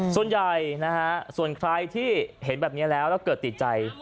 ส่วนใหญ่นะฮะส่วนใครที่เห็นแบบนี้แล้วแล้วเกิดติดใจ